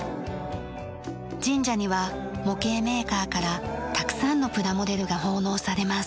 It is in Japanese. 神社には模型メーカーからたくさんのプラモデルが奉納されます。